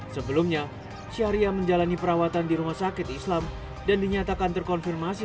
sebelumnya syariah menjalani perawatan di rumah sakit islam dan dinyatakan terkonfirmasi